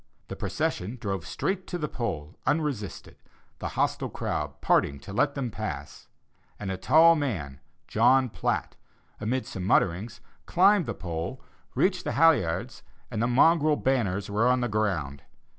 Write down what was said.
The procession drove straight to the pole unresisted, the hostile crowd parting to let them pass; and a tall man, John Platt, amid some mutterings, climbed the pole, reached the halliards, and the mongrel banners were on the ground.